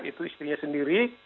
itu istrinya sendiri